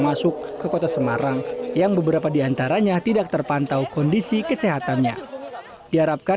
masuk ke kota semarang yang beberapa diantaranya tidak terpantau kondisi kesehatannya diharapkan